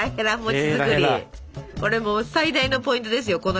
これもう最大のポイントですよ